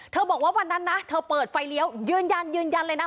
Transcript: เธอบอกว่าวันนั้นนะเธอเปิดไฟเลี้ยวยืนยันยืนยันเลยนะ